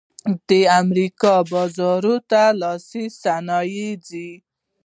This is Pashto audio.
د امریکا بازار ته لاسي صنایع ځي